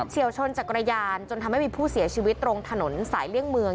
เชี่ยวชนจักรยานจนทำให้มีผู้เสียชีวิตตรงถนนสายเลี่ยงเมือง